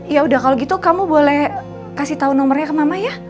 yaudah kalau gitu kamu boleh kasih tau nomornya ke mama ya